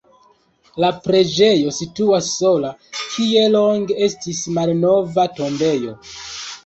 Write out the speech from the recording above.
La preĝejo situas sola, kie longe estis malnova tombejo.